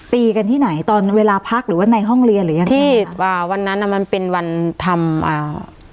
ตีกันที่ไหนตอนเวลาพักหรือว่าในห้องเรียนหรือยังที่อ่าวันนั้นอ่ะมันเป็นวันทำอ่า